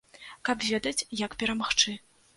Каб ведаць, як перамагчы.